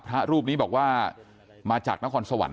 พระรูปนี้บอกว่ามาจากนครสวรรค